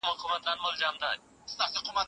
تاسو باید د مقالي لپاره یو ښه کاري پلان ترتیب کړئ.